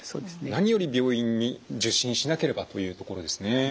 何より病院に受診しなければというところですね。